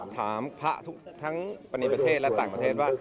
ถามพระทุกทั้งปณีประเทศและต่างประเทศว่า